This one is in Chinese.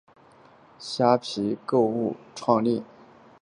虾皮购物创立。